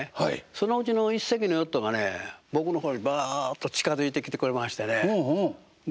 そのうちの一隻のヨットがね僕の方にバッと近づいてきてくれましてねで